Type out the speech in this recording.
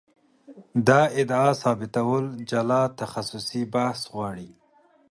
دا ادعا ثابتول جلا تخصصي بحث غواړي.